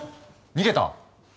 逃げた！